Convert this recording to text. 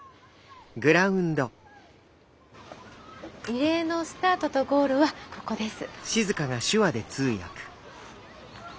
リレーのスタートとゴールはここです。